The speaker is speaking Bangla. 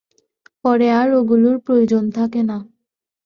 পরে আর ঐগুলির প্রয়োজন থাকে না।